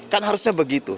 kan harusnya begitu